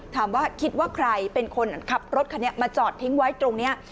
ถามว่าคิดว่าใครเป็นคนขับรถคันนี้มาจอดทิ้งไว้ตรงนี้